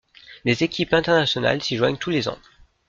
Des équipes internationales s’y joignent tous les ans.